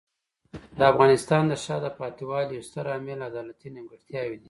د افغانستان د شاته پاتې والي یو ستر عامل عدالتي نیمګړتیاوې دي.